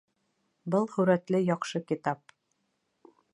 Был һүрәтле яҡшы китап